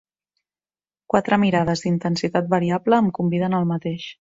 Quatre mirades d'intensitat variable em conviden al mateix.